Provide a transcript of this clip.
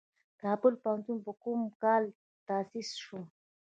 کابل پوهنتون په کوم کال تاسیس شو؟